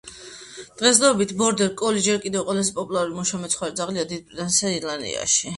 დღესდღეობით ბორდერ კოლი ჯერ კიდევ ყველაზე პოპულარული მუშა მეცხვარე ძაღლია დიდ ბრიტანეთსა და ირლანდიაში.